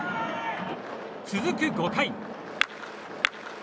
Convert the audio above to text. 続く５回。